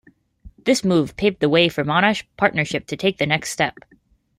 This move paved the way for the Monash partnership to take the next step.